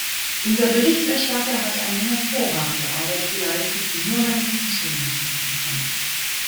Unser Berichterstatter hat eine hervorragende Arbeit geleistet, die nur meine Zustimmung finden kann.